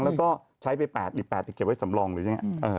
แล้วก็ใช้ไป๘อีก๘เก็บไว้สำรองเลยใช่ไหม